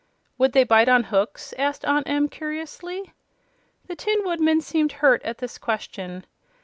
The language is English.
"Would they bite on hooks?" asked Aunt Em, curiously. The Tin Woodman seemed hurt at this question.